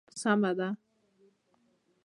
سمه ده.